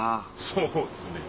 そうですね。